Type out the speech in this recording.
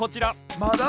まだ？